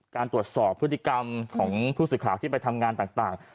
การตรวจสอบพฤติกรรมของผู้สื่อข่าวที่ไปทำงานต่าง